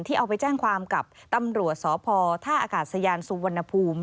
เอาไปแจ้งความกับตำรวจสพท่าอากาศยานสุวรรณภูมิ